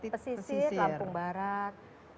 pesisir lampung barat